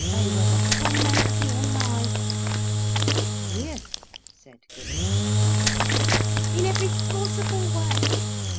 They were the torment of your life." "Really!" said Gudrun. "In every possible way.